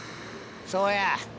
そうや！